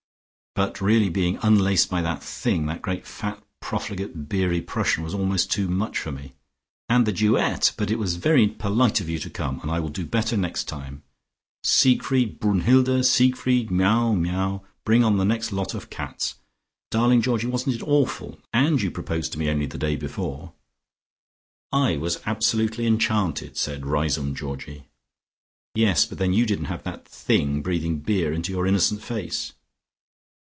"But really being unlaced by that Thing, that great fat profligate beery Prussian was almost too much for me. And the duet! But it was very polite of you to come, and I will do better next time. Siegfried! Brunnhilde! Siegfried! Miaou! Miaou! Bring on the next lot of cats! Darling Georgie, wasn't it awful? And you had proposed to me only the day before." "I was absolutely enchanted," said Riseholme Georgie. "Yes, but then you didn't have that Thing breathing beer into your innocent face."